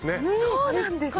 そうなんです。